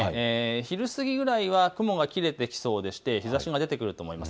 昼過ぎくらいは雲が切れてきそうで日ざしが出てくると思います。